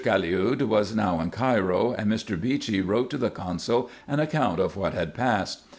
Caliud was now in Cairo, and Mr. Beechey wrote to the consul an account of what had passed.